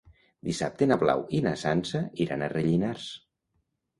Dissabte na Blau i na Sança iran a Rellinars.